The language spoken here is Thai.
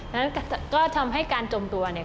นั้นก็ทำให้การจมตัวเนี่ย